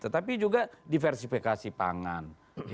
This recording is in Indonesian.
tetapi juga diversifikasi pangan